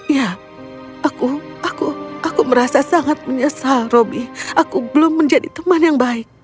ya aku aku merasa sangat menyesal roby aku belum menjadi teman yang baik